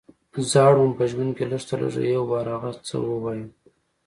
زه اړه وم په ژوند کې لږ تر لږه یو وار هغه څه ووایم.